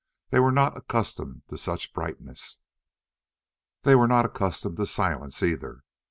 They were not accustomed to brightness. They were not accustomed to silence, either.